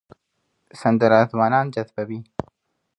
سندره ځوانان جذبوي